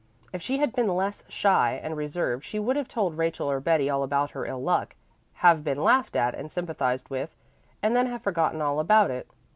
If she had been less shy and reserved she would have told Rachel or Betty all about her ill luck, have been laughed at and sympathized with, and then have forgotten all about it.